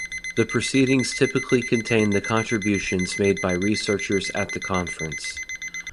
The proceedings typically contain the contributions made by researchers at the conference.